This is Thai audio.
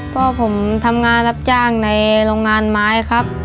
พ่อผมทำงานรับจ้างในโรงงานไม้ครับ